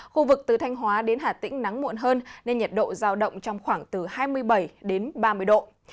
khu vực từ thanh hóa đến hà tĩnh nắng muộn hơn nên nhiệt độ giao động trong khoảng từ hai mươi bảy đến ba mươi độ